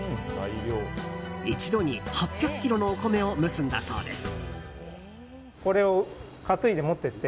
一度に８００ｋｇのお米を蒸すんだそうです。